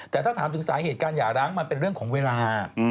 แต่ถ้าถามถึงสาเหตุการหย่าร้างมันเป็นเรื่องของเวลา